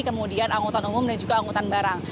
kemudian anggota umum dan juga anggota barang